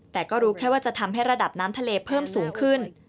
แต่ก็รู้แค่ว่าจะทำให้ระดับน้ำทะเลเพิ่มสูงขึ้น